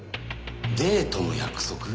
デートの約束？